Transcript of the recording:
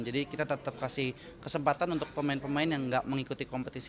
jadi kita tetap kasih kesempatan untuk pemain pemain yang nggak mengikuti kompetisi